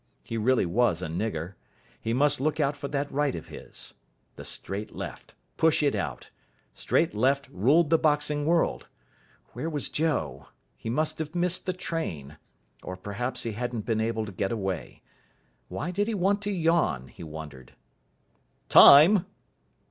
He really was a nigger. He must look out for that right of his. The straight left. Push it out. Straight left ruled the boxing world. Where was Joe? He must have missed the train. Or perhaps he hadn't been able to get away. Why did he want to yawn, he wondered. "Time!"